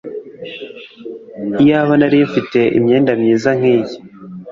Iyaba nari mfite imyenda myiza nkiyi